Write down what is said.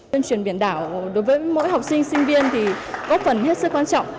tuyên truyền biển đảo đối với mỗi học sinh sinh viên thì góp phần hết sức quan trọng